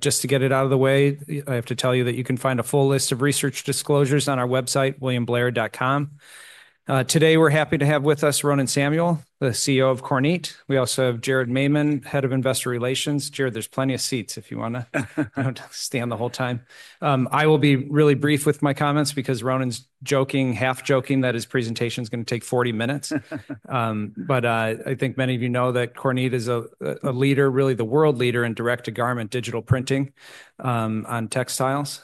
Just to get it out of the way, I have to tell you that you can find a full list of research disclosures on our website, williamblair.com. Today, we're happy to have with us Ronen Samuel, the CEO of Kornit. We also have Jared Maymon, Head of Investor Relations. Jared, there's plenty of seats if you want to stand the whole time. I will be really brief with my comments because Ronen's joking, half-joking, that his presentation is going to take 40 minutes. I think many of you know that Kornit is a leader, really the world leader in direct-to-garment digital printing on textiles.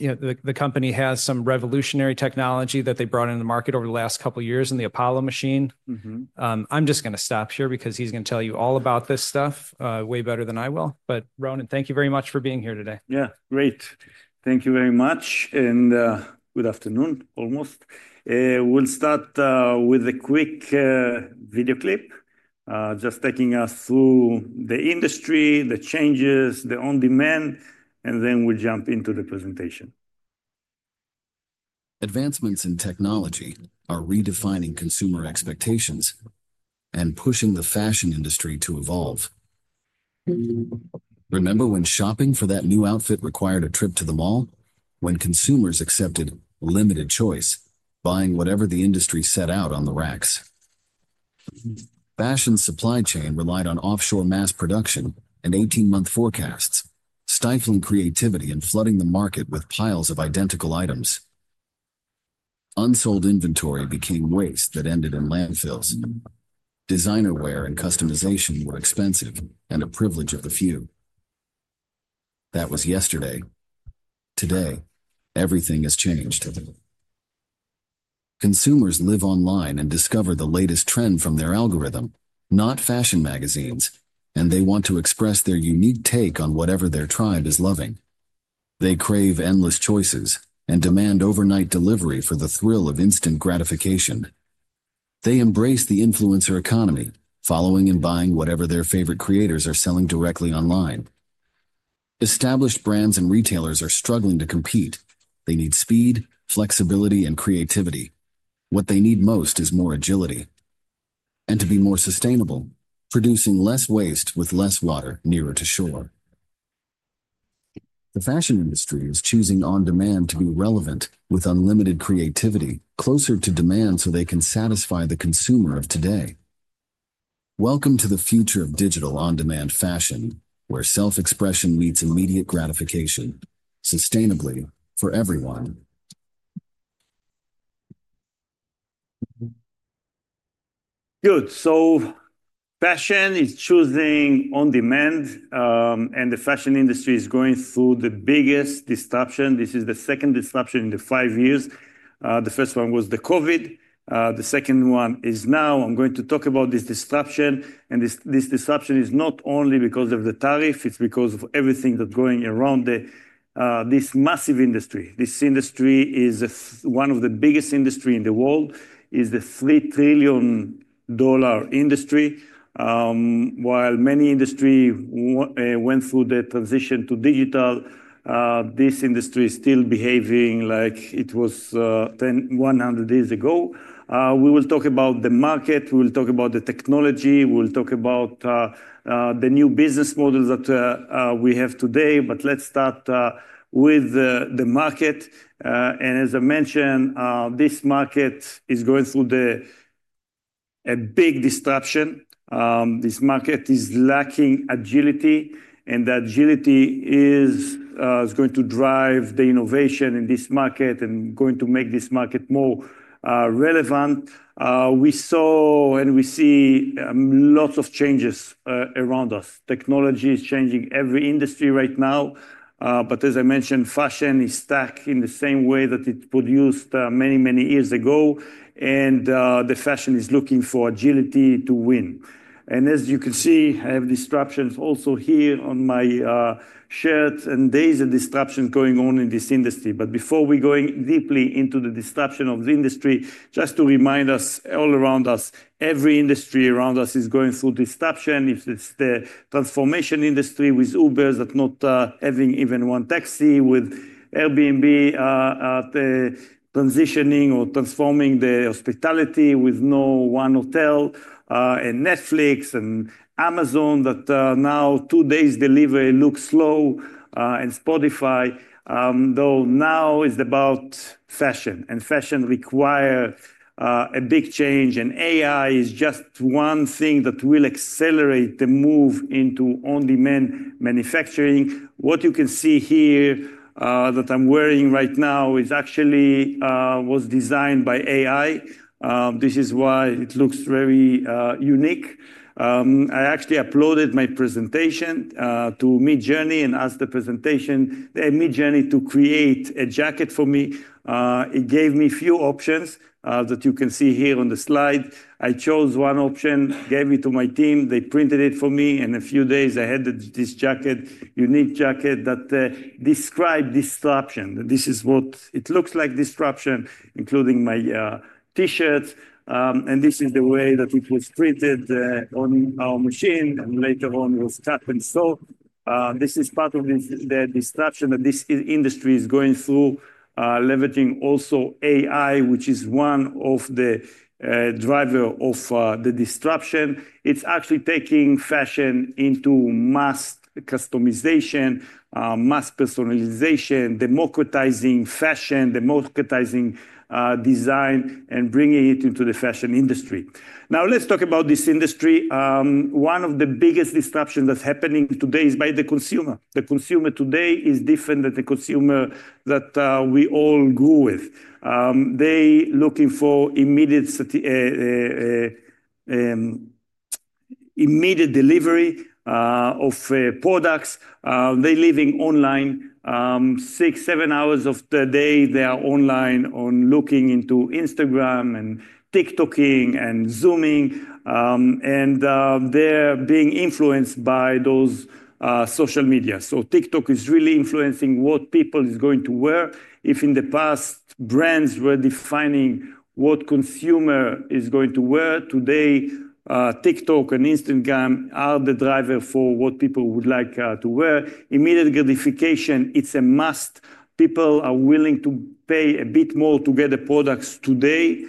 The company has some revolutionary technology that they brought into the market over the last couple of years in the Apollo machine. I'm just going to stop here because he's going to tell you all about this stuff way better than I will. Ronen, thank you very much for being here today. Yeah, great. Thank you very much. Good afternoon, almost. We'll start with a quick video clip, just taking us through the industry, the changes, the on-demand, and then we'll jump into the presentation. Advancements in technology are redefining consumer expectations and pushing the fashion industry to evolve. Remember when shopping for that new outfit required a trip to the mall? When consumers accepted limited choice, buying whatever the industry set out on the racks. Fashion supply chain relied on offshore mass production and 18-month forecasts, stifling creativity and flooding the market with piles of identical items. Unsold inventory became waste that ended in landfills. Designer wear and customization were expensive and a privilege of the few. That was yesterday. Today, everything has changed. Consumers live online and discover the latest trend from their algorithm, not fashion magazines, and they want to express their unique take on whatever their tribe is loving. They crave endless choices and demand overnight delivery for the thrill of instant gratification. They embrace the influencer economy, following and buying whatever their favorite creators are selling directly online. Established brands and retailers are struggling to compete. They need speed, flexibility, and creativity. What they need most is more agility and to be more sustainable, producing less waste with less water nearer to shore. The fashion industry is choosing on-demand to be relevant with unlimited creativity, closer to demand so they can satisfy the consumer of today. Welcome to the future of digital on-demand fashion, where self-expression meets immediate gratification, sustainably for everyone. Good. Fashion is choosing on-demand, and the fashion industry is going through the biggest disruption. This is the second disruption in the past five years. The first one was COVID. The second one is now. I'm going to talk about this disruption. This disruption is not only because of the tariff. It's because of everything that's going around this massive industry. This industry is one of the biggest industries in the world, is the $3 trillion industry. While many industries went through the transition to digital, this industry is still behaving like it was 100 years ago. We will talk about the market. We will talk about the technology. We will talk about the new business models that we have today. Let's start with the market. As I mentioned, this market is going through a big disruption. This market is lacking agility, and the agility is going to drive the innovation in this market and going to make this market more relevant. We saw and we see lots of changes around us. Technology is changing every industry right now. As I mentioned, fashion is stuck in the same way that it produced many, many years ago. The fashion is looking for agility to win. As you can see, I have disruptions also here on my shirt. There is a disruption going on in this industry. Before we go deeply into the disruption of the industry, just to remind us all around us, every industry around us is going through disruption. It's the transformation industry with Uber that's not having even one taxi, with Airbnb transitioning or transforming the hospitality with no one hotel, and Netflix and Amazon that now two days delivery looks slow, and Spotify, though now is about fashion. Fashion requires a big change. AI is just one thing that will accelerate the move into on-demand manufacturing. What you can see here that I'm wearing right now was actually designed by AI. This is why it looks very unique. I actually uploaded my presentation to Midjourney and asked the presentation Midjourney to create a jacket for me. It gave me a few options that you can see here on the slide. I chose one option, gave it to my team. They printed it for me. A few days ahead, this jacket, unique jacket that described disruption. This is what it looks like, disruption, including my T-shirt. This is the way that it was printed on our machine. Later on, it was cut and sewed. This is part of the disruption that this industry is going through, leveraging also AI, which is one of the drivers of the disruption. It's actually taking fashion into mass customization, mass personalization, democratizing fashion, democratizing design, and bringing it into the fashion industry. Now, let's talk about this industry. One of the biggest disruptions that's happening today is by the consumer. The consumer today is different than the consumer that we all grew with. They are looking for immediate delivery of products. They're living online. Six, seven hours of the day, they are online looking into Instagram and TikToking and Zooming. They're being influenced by those social media. TikTok is really influencing what people are going to wear. If in the past, brands were defining what consumer is going to wear, today, TikTok and Instagram are the driver for what people would like to wear. Immediate gratification, it's a must. People are willing to pay a bit more to get the products today.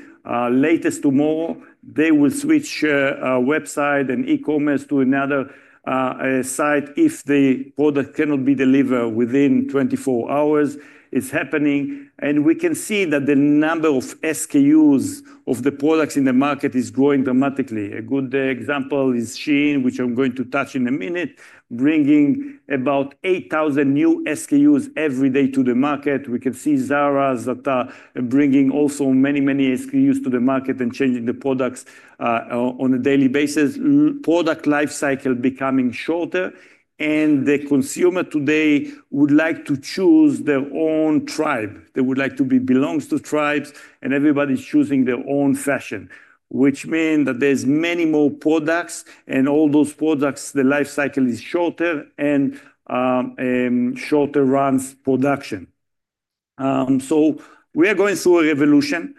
Latest tomorrow, they will switch a website and e-commerce to another site if the product cannot be delivered within 24 hours. It's happening. We can see that the number of SKUs of the products in the market is growing dramatically. A good example is Shein, which I'm going to touch in a minute, bringing about 8,000 new SKUs every day to the market. We can see Zara that are bringing also many, many SKUs to the market and changing the products on a daily basis. Product lifecycle becoming shorter. The consumer today would like to choose their own tribe. They would like to belong to tribes. Everybody's choosing their own fashion, which means that there are many more products. All those products, the lifecycle is shorter and shorter runs production. We are going through a revolution.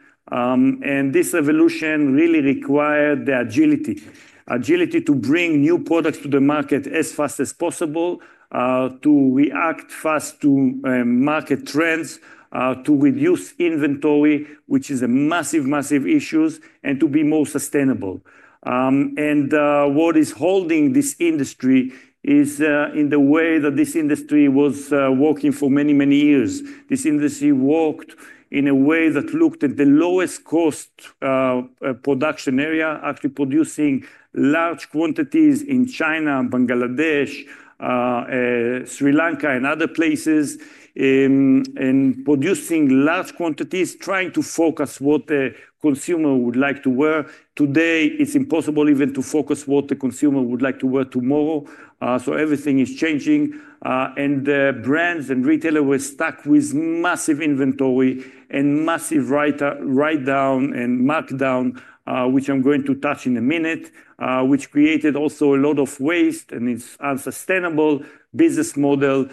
This revolution really requires agility, agility to bring new products to the market as fast as possible, to react fast to market trends, to reduce inventory, which is a massive, massive issue, and to be more sustainable. What is holding this industry is the way that this industry was working for many, many years. This industry worked in a way that looked at the lowest cost production area, actually producing large quantities in China, Bangladesh, Sri Lanka, and other places, and producing large quantities, trying to focus on what the consumer would like to wear. Today, it's impossible even to focus what the consumer would like to wear tomorrow. Everything is changing. Brands and retailers were stuck with massive inventory and massive write-down and markdown, which I'm going to touch in a minute, which created also a lot of waste and its unsustainable business model.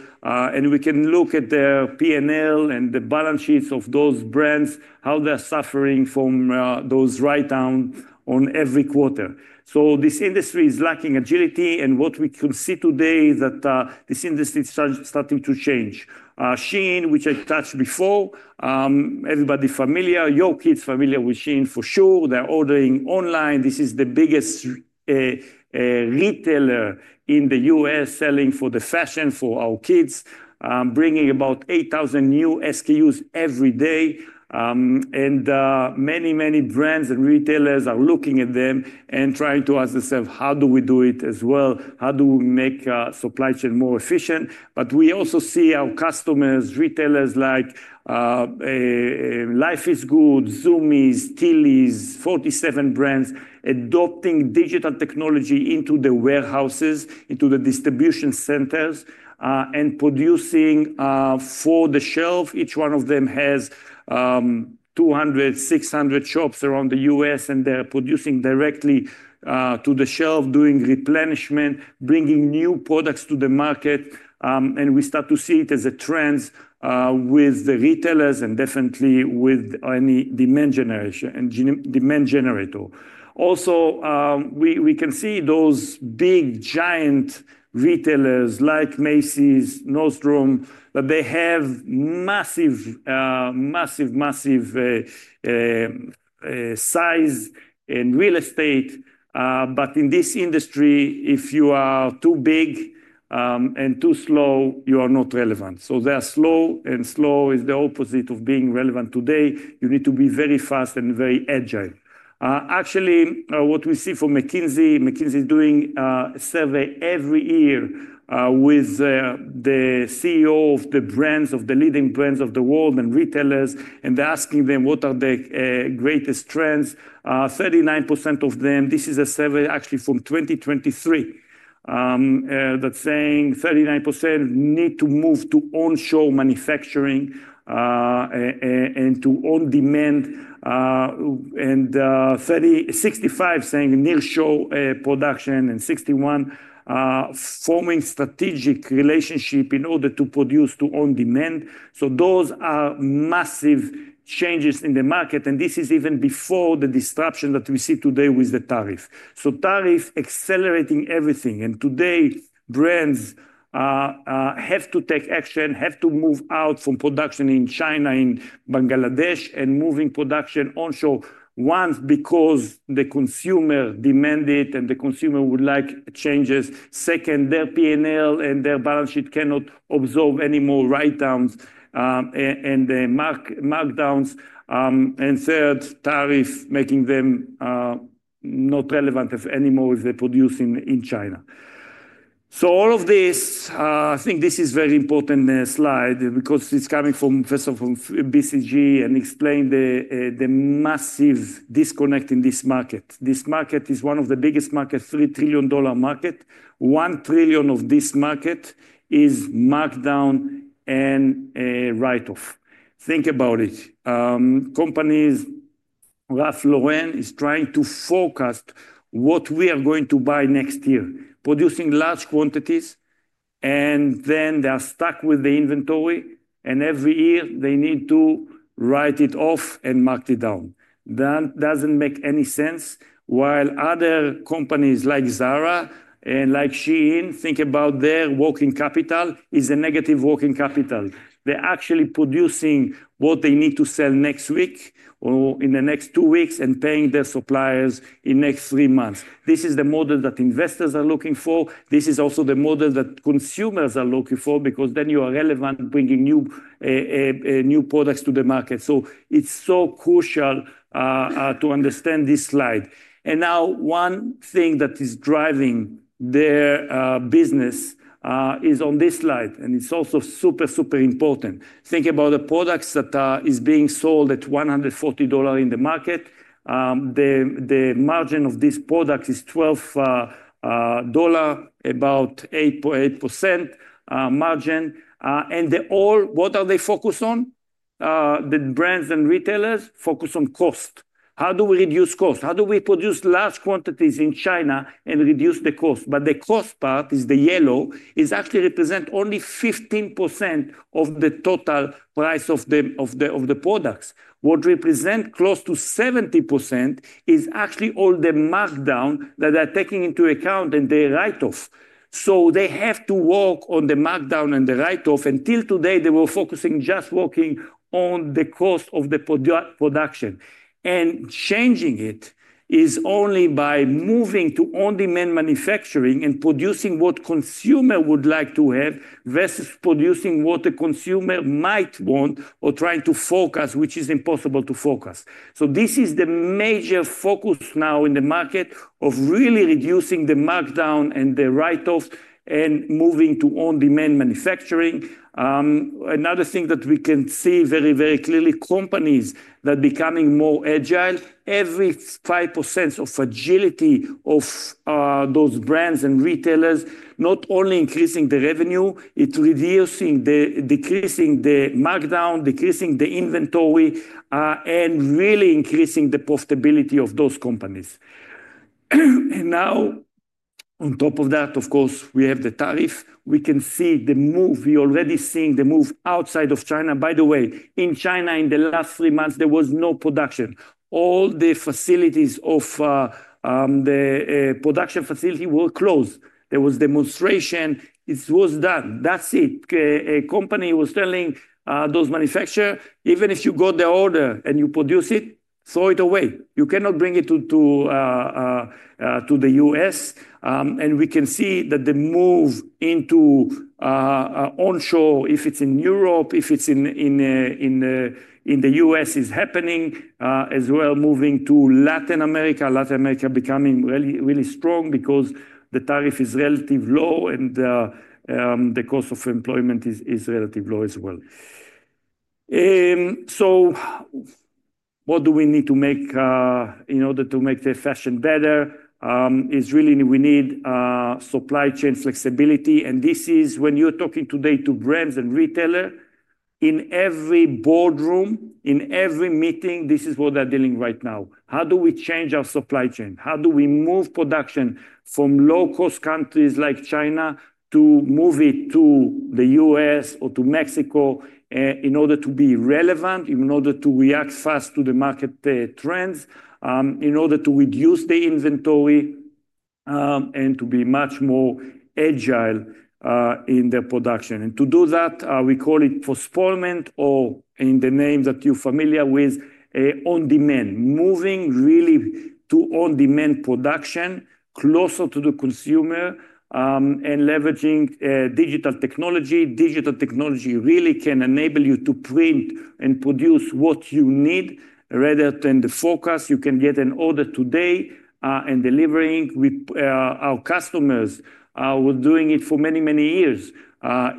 We can look at the P&L and the balance sheets of those brands, how they're suffering from those write-downs on every quarter. This industry is lacking agility. What we can see today is that this industry is starting to change. Shein, which I touched before, everybody familiar. Your kids are familiar with Shein, for sure. They're ordering online. This is the biggest retailer in the US selling for the fashion for our kids, bringing about 8,000 new SKUs every day. Many, many brands and retailers are looking at them and trying to ask themselves, how do we do it as well? How do we make supply chain more efficient? We also see our customers, retailers like Life is Good, Zumiez, Tilly's, 47 Brand adopting digital technology into the warehouses, into the distribution centers, and producing for the shelf. Each one of them has 200-600 shops around the US, and they're producing directly to the shelf, doing replenishment, bringing new products to the market. We start to see it as a trend with the retailers and definitely with any demand generator. Also, we can see those big giant retailers like Macy's, Nordstrom, that they have massive, massive, massive size in real estate. In this industry, if you are too big and too slow, you are not relevant. They are slow, and slow is the opposite of being relevant today. You need to be very fast and very agile. Actually, what we see from McKinsey, McKinsey is doing a survey every year with the CEO of the brands, of the leading brands of the world and retailers, and they are asking them what are the greatest trends. 39% of them, this is a survey actually from 2023, that is saying 39% need to move to onshore manufacturing and to on-demand. 65% are saying nearshore production and 61% forming strategic relationship in order to produce to on-demand. Those are massive changes in the market. This is even before the disruption that we see today with the tariff. Tariff is accelerating everything. Today, brands have to take action, have to move out from production in China and Bangladesh and moving production onshore once because the consumer demanded and the consumer would like changes. Second, their P&L and their balance sheet cannot absorb any more write-downs and markdowns. Third, tariff making them not relevant anymore if they produce in China. All of this, I think this is a very important slide because it's coming from, first of all, from BCG and explained the massive disconnect in this market. This market is one of the biggest markets, $3 trillion market. One trillion of this market is markdown and write-off. Think about it. Companies like Ralph Lauren are trying to focus on what we are going to buy next year, producing large quantities, and then they are stuck with the inventory. Every year, they need to write it off and mark it down. That does not make any sense. While other companies like Zara and like Shein, think about their working capital. It is a negative working capital. They are actually producing what they need to sell next week or in the next two weeks and paying their suppliers in the next three months. This is the model that investors are looking for. This is also the model that consumers are looking for because then you are relevant, bringing new products to the market. It is so crucial to understand this slide. One thing that is driving their business is on this slide. It is also super, super important. Think about the products that are being sold at $140 in the market. The margin of these products is $12, about 8% margin. What are they focused on? The brands and retailers focus on cost. How do we reduce cost? How do we produce large quantities in China and reduce the cost? The cost part is the yellow, is actually representing only 15% of the total price of the products. What represents close to 70% is actually all the markdown that they're taking into account and their write-off. They have to work on the markdown and the write-off. Until today, they were focusing just working on the cost of the production. Changing it is only by moving to on-demand manufacturing and producing what consumers would like to have versus producing what the consumer might want or trying to focus, which is impossible to focus. This is the major focus now in the market of really reducing the markdown and the write-off and moving to on-demand manufacturing. Another thing that we can see very, very clearly, companies that are becoming more agile, every 5% of agility of those brands and retailers, not only increasing the revenue, it's reducing the markdown, decreasing the inventory, and really increasing the profitability of those companies. Now, on top of that, of course, we have the tariff. We can see the move. We are already seeing the move outside of China. By the way, in China, in the last three months, there was no production. All the facilities of the production facility were closed. There was demonstration. It was done. That's it. A company was telling those manufacturers, even if you got the order and you produce it, throw it away. You cannot bring it to the US. We can see that the move into onshore, if it's in Europe, if it's in the US, is happening as well, moving to Latin America. Latin America is becoming really, really strong because the tariff is relatively low and the cost of employment is relatively low as well. What do we need to make in order to make the fashion better? It's really we need supply chain flexibility. This is when you're talking today to brands and retailers, in every boardroom, in every meeting, this is what they're dealing with right now. How do we change our supply chain? How do we move production from low-cost countries like China to move it to the US or to Mexico in order to be relevant, in order to react fast to the market trends, in order to reduce the inventory and to be much more agile in their production? To do that, we call it postponement or in the name that you're familiar with, on-demand, moving really to on-demand production closer to the consumer and leveraging digital technology. Digital technology really can enable you to print and produce what you need rather than the focus. You can get an order today and delivering. Our customers were doing it for many, many years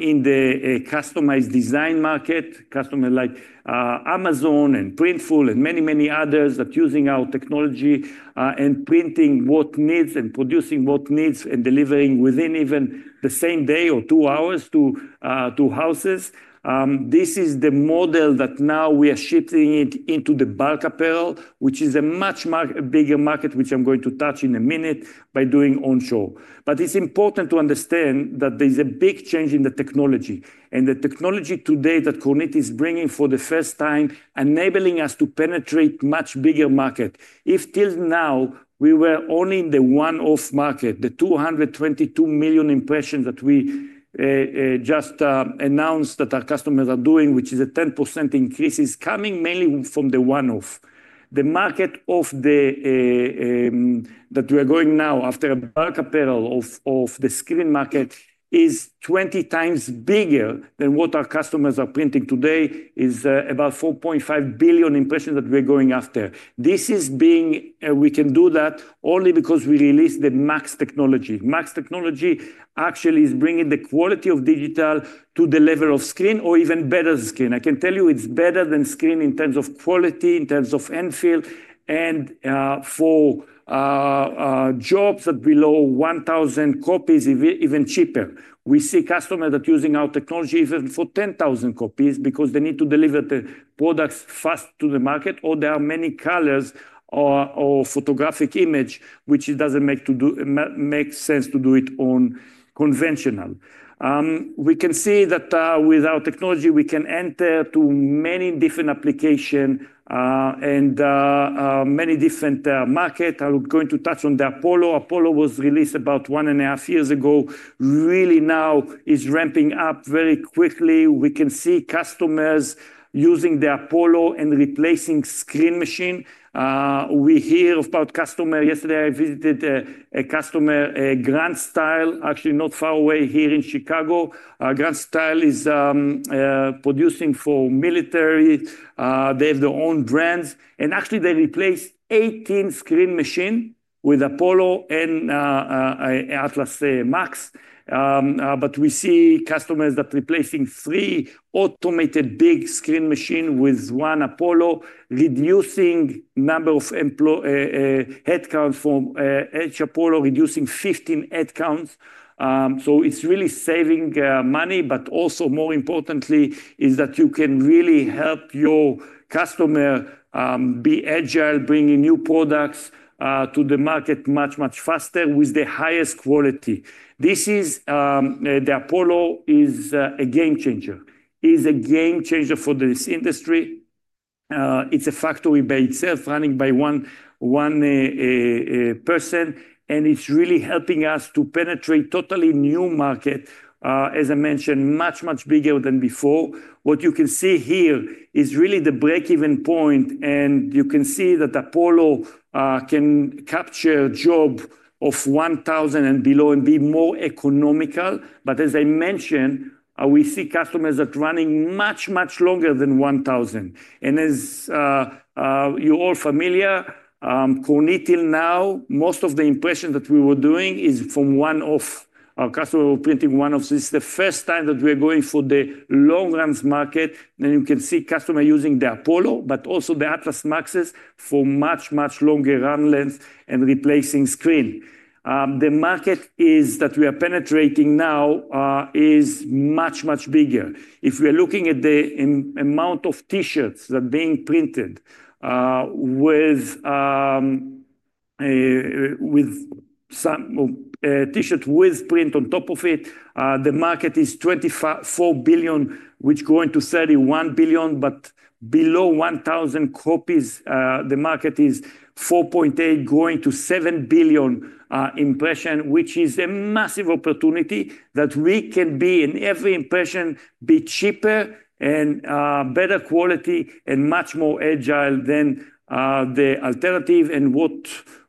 in the customized design market, customers like Amazon and Printful and many, many others that are using our technology and printing what needs and producing what needs and delivering within even the same day or two hours to houses. This is the model that now we are shifting into the bulk apparel, which is a much bigger market, which I'm going to touch in a minute by doing onshore. It is important to understand that there's a big change in the technology. The technology today that Kornit is bringing for the first time is enabling us to penetrate a much bigger market. If till now we were only in the one-off market, the 222 million impressions that we just announced that our customers are doing, which is a 10% increase, is coming mainly from the one-off. The market that we are going now after, a bulk apparel of the screen market, is 20 times bigger than what our customers are printing today. It is about 4.5 billion impressions that we are going after. This is being, we can do that only because we released the MAX technology. MAX technology actually is bringing the quality of digital to the level of screen or even better screen. I can tell you it is better than screen in terms of quality, in terms of end feel. And for jobs that are below 1,000 copies, even cheaper. We see customers that are using our technology even for 10,000 copies because they need to deliver the products fast to the market, or there are many colors or photographic images, which does not make sense to do it on conventional. We can see that with our technology, we can enter to many different applications and many different markets. I am going to touch on the Apollo. Apollo was released about one and a half years ago. Really, now it is ramping up very quickly. We can see customers using the Apollo and replacing screen machine. We hear about customers. Yesterday, I visited a customer, Grand Style, actually not far away here in Chicago. Grand Style is producing for military. They have their own brands. And actually, they replaced 18 screen machines with Apollo and Atlas Max. We see customers that are replacing three automated big screen machines with one Apollo, reducing the number of headcounts for each Apollo, reducing 15 headcounts. It is really saving money. More importantly, you can really help your customer be agile, bringing new products to the market much, much faster with the highest quality. The Apollo is a game changer. It is a game changer for this industry. It is a factory by itself, running by one person. It is really helping us to penetrate a totally new market, as I mentioned, much, much bigger than before. What you can see here is really the break-even point. You can see that Apollo can capture jobs of 1,000 and below and be more economical. As I mentioned, we see customers that are running much, much longer than 1,000. As you're all familiar, Kornit Digital now, most of the impressions that we were doing are from one-off. Our customers were printing one-offs. This is the first time that we're going for the long-run market. You can see customers using the Apollo, but also the Atlas Maxes for much, much longer run lengths and replacing screens. The market that we are penetrating now is much, much bigger. If we are looking at the amount of T-shirts that are being printed with some T-shirts with print on top of it, the market is $24 billion, which is going to $31 billion. Below 1,000 copies, the market is 4.8, going to 7 billion impressions, which is a massive opportunity that we can be in every impression, be cheaper and better quality and much more agile than the alternative. What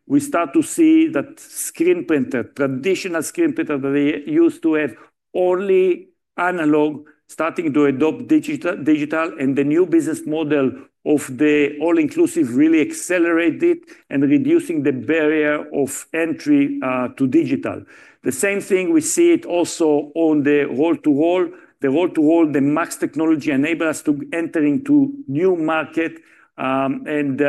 we start to see is that screen printer, traditional screen printer that they used to have only analog, starting to adopt digital. The new business model of the all-inclusive really accelerated it and reduced the barrier of entry to digital. The same thing, we see it also on the roll-to-roll. The roll-to-roll, the MAX technology enables us to enter into a new market and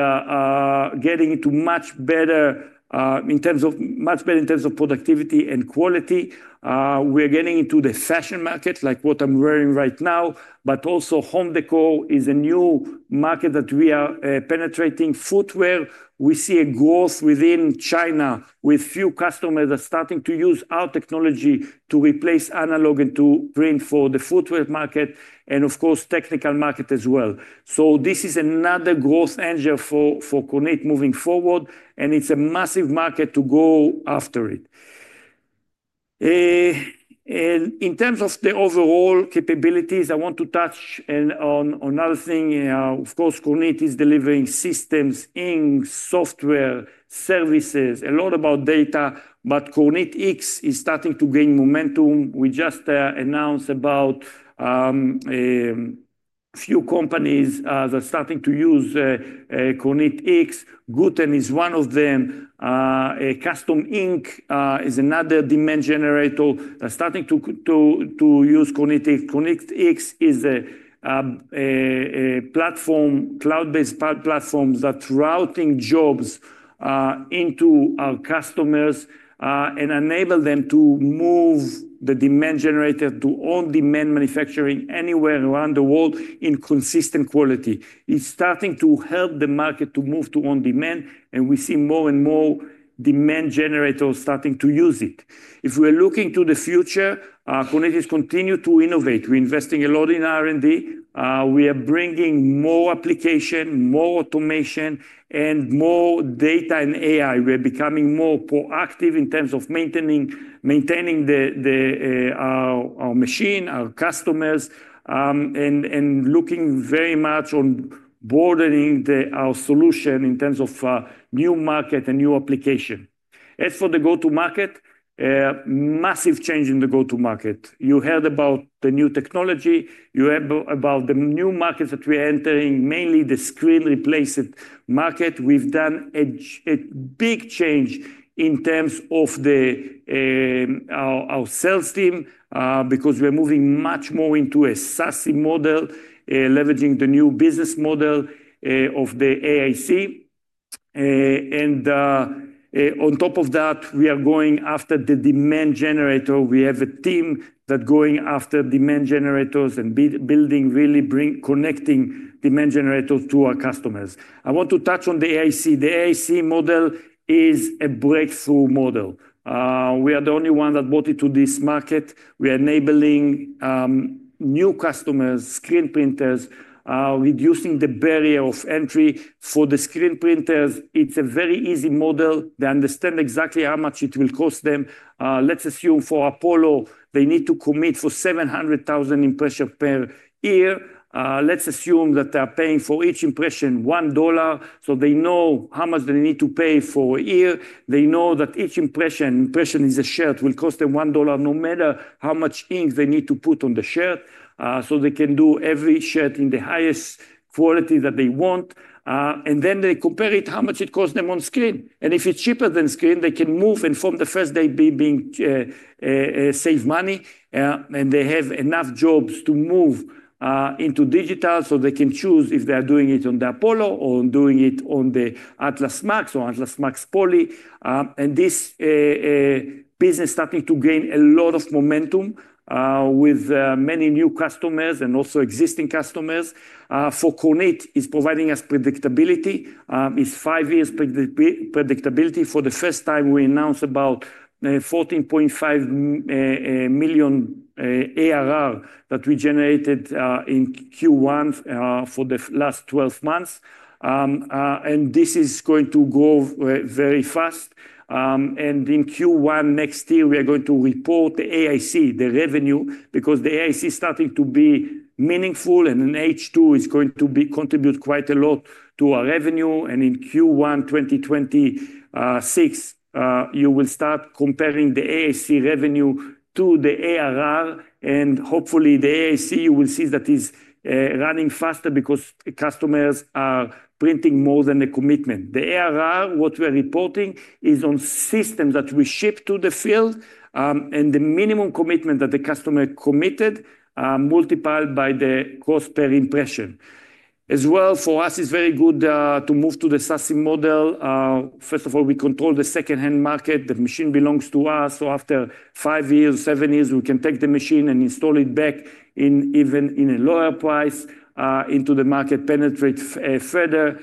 getting into much better in terms of productivity and quality. We are getting into the fashion market, like what I'm wearing right now. Also, home decor is a new market that we are penetrating. Footwear, we see a growth within China with few customers starting to use our technology to replace analog and to print for the footwear market and, of course, technical market as well. This is another growth engine for Kornit moving forward. It's a massive market to go after. In terms of the overall capabilities, I want to touch on another thing. Of course, Kornit is delivering systems, software, services, a lot about data. Kornit X is starting to gain momentum. We just announced a few companies that are starting to use Kornit X. Gooten is one of them. Custom Ink is another demand generator that's starting to use Kornit X. Kornit X is a cloud-based platform that's routing jobs into our customers and enables them to move the demand generator to on-demand manufacturing anywhere around the world in consistent quality. It's starting to help the market to move to on-demand. We see more and more demand generators starting to use it. If we are looking to the future, Kornit is continuing to innovate. We're investing a lot in R&D. We are bringing more application, more automation, and more data and AI. We're becoming more proactive in terms of maintaining our machine, our customers, and looking very much on broadening our solution in terms of new market and new application. As for the go-to-market, massive change in the go-to-market. You heard about the new technology. You heard about the new markets that we're entering, mainly the screen replacement market. We've done a big change in terms of our sales team because we're moving much more into a SaaS model, leveraging the new business model of the AIC. On top of that, we are going after the demand generator. We have a team that's going after demand generators and building really connecting demand generators to our customers. I want to touch on the AIC. The AIC model is a breakthrough model. We are the only ones that brought it to this market. We are enabling new customers, screen printers, reducing the barrier of entry. For the screen printers, it's a very easy model. They understand exactly how much it will cost them. Let's assume for Apollo, they need to commit for 700,000 impressions per year. Let's assume that they are paying for each impression $1. So they know how much they need to pay for a year. They know that each impression, impression is a shirt, will cost them $1 no matter how much ink they need to put on the shirt. They can do every shirt in the highest quality that they want. They compare it to how much it costs them on screen. If it's cheaper than screen, they can move and from the first day be saving money. They have enough jobs to move into digital. They can choose if they are doing it on the Apollo or doing it on the Atlas Max or Atlas Max Poly. This business is starting to gain a lot of momentum with many new customers and also existing customers. For Kornit, it is providing us predictability. It is five years' predictability. For the first time, we announced about $14.5 million ARR that we generated in Q1 for the last 12 months. This is going to grow very fast. In Q1 next year, we are going to report the AIC, the revenue, because the AIC is starting to be meaningful. In H2, it is going to contribute quite a lot to our revenue. In Q1 2026, you will start comparing the AIC revenue to the ARR. Hopefully, the AIC, you will see that it's running faster because customers are printing more than the commitment. The ARR, what we are reporting, is on systems that we ship to the field. And the minimum commitment that the customer committed multiplied by the cost per impression. As well, for us, it's very good to move to the SaaS model. First of all, we control the second-hand market. The machine belongs to us. So after five years, seven years, we can take the machine and install it back even at a lower price into the market, penetrate further.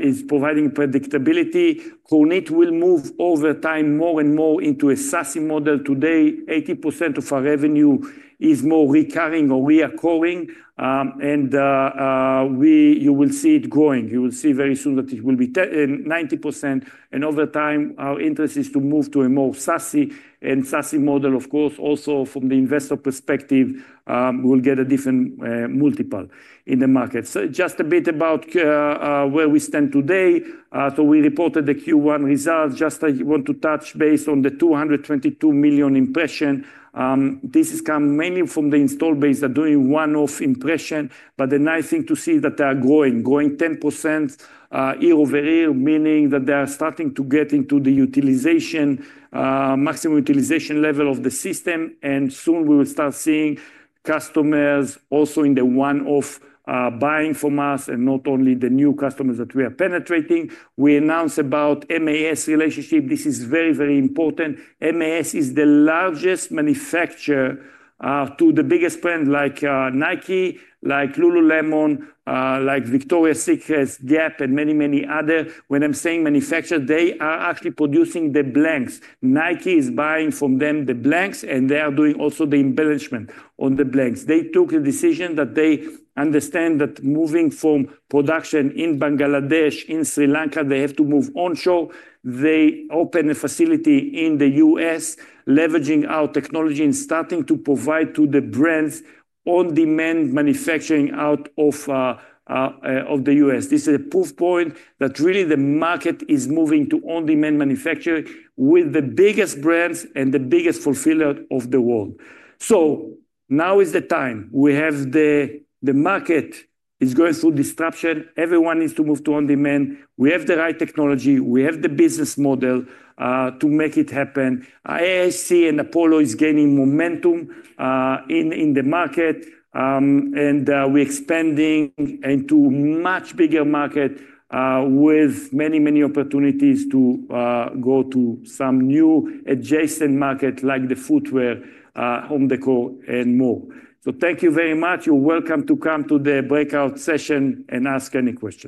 It's providing predictability. Kornit will move over time more and more into a SaaS model. Today, 80% of our revenue is more recurring or reoccurring. You will see it growing. You will see very soon that it will be 90%. Over time, our interest is to move to a more SaaS and SaaS model, of course. Also, from the investor perspective, we'll get a different multiple in the market. Just a bit about where we stand today. We reported the Q1 results. I just want to touch based on the 222 million impressions. This has come mainly from the install base that are doing one-off impressions. The nice thing to see is that they are growing, growing 10% year over year, meaning that they are starting to get into the maximum utilization level of the system. Soon, we will start seeing customers also in the one-off buying from us and not only the new customers that we are penetrating. We announced about MAS relationship. This is very, very important. MAS is the largest manufacturer to the biggest brands like Nike, like Lululemon, like Victoria's Secret, Gap, and many, many others. When I'm saying manufacturers, they are actually producing the blanks. Nike is buying from them the blanks, and they are doing also the embellishment on the blanks. They took the decision that they understand that moving from production in Bangladesh, in Sri Lanka, they have to move onshore. They opened a facility in the US, leveraging our technology and starting to provide to the brands on-demand manufacturing out of the US. This is a proof point that really the market is moving to on-demand manufacturing with the biggest brands and the biggest fulfillers of the world. Now is the time. We have the market is going through disruption. Everyone needs to move to on-demand. We have the right technology. We have the business model to make it happen. AIC and Apollo is gaining momentum in the market. We're expanding into a much bigger market with many, many opportunities to go to some new adjacent markets like the footwear, home decor, and more. Thank you very much. You're welcome to come to the breakout session and ask any questions.